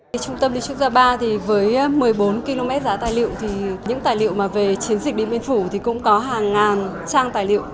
trung tâm lưu trữ quốc gia ba với một mươi bốn km giá tài liệu những tài liệu về chiến dịch điện biển phủ cũng có hàng ngàn trang tài liệu